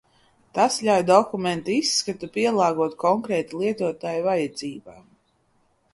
Tas ļauj dokumenta izskatu pielāgot konkrēta lietotāja vajadzībām.